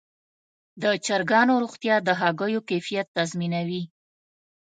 د چرګانو روغتیا د هګیو کیفیت تضمینوي.